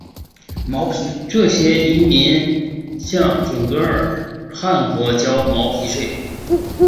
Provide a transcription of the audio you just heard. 这些遗民向准噶尔汗国交毛皮税。